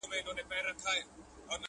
شمعي زما پر اوښکو که پر ځان راسره وژړل!.